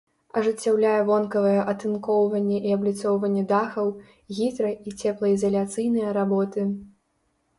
Ажыццяўляе вонкавае атынкоўванне і абліцоўванне дахаў, гідра- і цеплаізаляцыйныя работы.